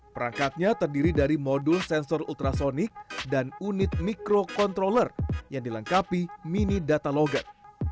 perangkatnya terdiri dari modul sensor ultrasonic dan unit microcontroller yang dilengkapi mini data logget